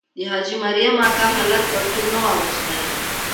د حاجي مریم اکا هلک پرتوګ نه وو اغوستی.